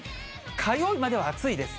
火曜日までは暑いです。